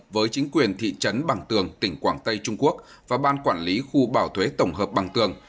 với chính quyền thị trấn bằng tường tỉnh quảng tây trung quốc và ban quản lý khu bảo thuế tổng hợp bằng tường